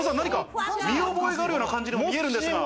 見覚えのあるような感じにも見えるんですが。